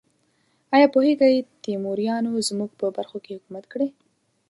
ایا پوهیږئ تیموریانو زموږ په برخو کې حکومت کړی؟